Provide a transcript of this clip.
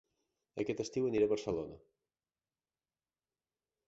Aquest estiu aniré a Barcelona